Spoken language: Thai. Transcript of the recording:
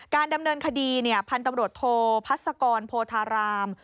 ดำเนินคดีพันธุ์ตำรวจโทพัศกรโพธาราม